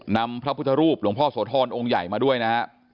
นำพระพุทธรูปหลวงพ่อโสธรองค์ใหญ่มาด้วยนะฮะ